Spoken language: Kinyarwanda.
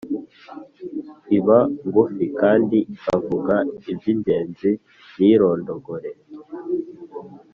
iba ngufi kandi ikavuga iby’ingenzi ntirondogore